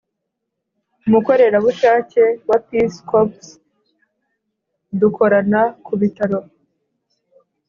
umukorerabushake wa peace corps, dukorana ku bitaro